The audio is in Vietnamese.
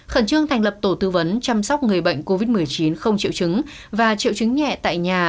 khẩn trương thành lập tổ tư vấn chăm sóc người bệnh covid một mươi chín không triệu chứng và triệu chứng nhẹ tại nhà